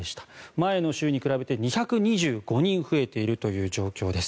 前の週に比べて２２５人増えているという状況です。